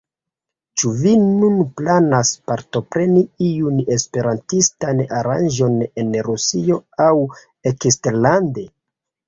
Ĉu vi nun planas partopreni iun esperantistan aranĝon en Rusio aŭ eksterlande?